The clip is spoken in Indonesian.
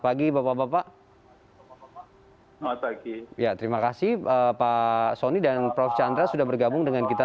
pagi bapak bapak bapak ya terima kasih bapak sony dan prof chandra sudah bergabung dengan kita